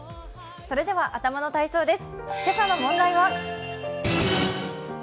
それでは頭の体操です。